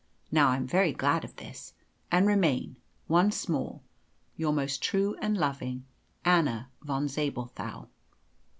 Now, I'm very glad of this, and remain, once more, "Your most true and loving "ANNA VON ZABELTHAU."